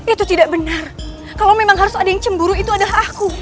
itu tidak benar kalau memang harus ada yang cemburu itu adalah aku